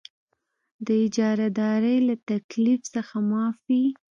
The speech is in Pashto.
د اجاره دارۍ له تکلیف څخه معاف وي.